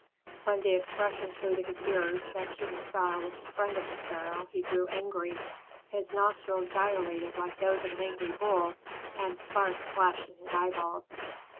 When the expression flew to his ears, that King Assar was the friend of the pharaoh, he grew angry. His nostrils dilated like those of an angry bull, and sparks flashed in his eyeballs.